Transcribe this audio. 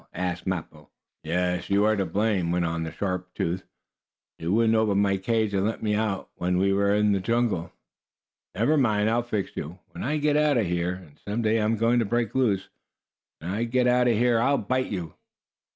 asked Mappo. "Yes, you are to blame," went on Sharp Tooth. "You wouldn't open my cage, and let me out when we were in the jungle. Never mind! I'll fix you! When I get out of here and some day I'm going to break loose when I get out of here, I'll bite you."